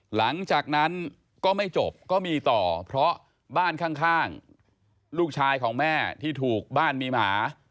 หลังจากนั้นก็ไม่จบก็มีต่อเพราะบ้านข้างลูกชายของแม่ที่ถูกบ้านมีหมา